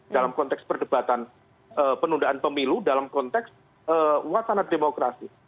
dalam konteks perdebatan penundaan pemilu dalam konteks wacana demokrasi